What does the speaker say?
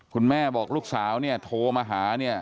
คุณแม่บอกลูกสาวโทรมาหา